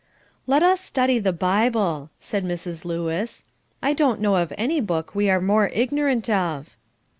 "Let us study the Bible," said Mrs. Lewis. "I don't know of any book we are more ignorant of."